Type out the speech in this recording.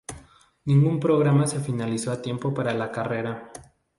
Ningún programa se finalizó a tiempo para la carrera.